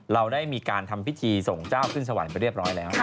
เราได้มีการทำพิธีส่งเจ้าขึ้นสวรรค์ไปเรียบร้อยแล้ว